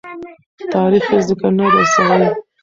تاریخ یې ذکر نه دی سوی.